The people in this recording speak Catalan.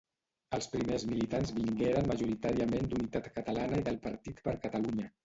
Els primers militants vingueren majoritàriament d'Unitat Catalana i del Partit per Catalunya.